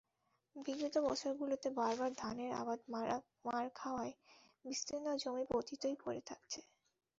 বিগত বছরগুলোতে বারবার ধানের আবাদ মার খাওয়ায় বিস্তীর্ণ জমি পতিতই পড়ে থাকছে।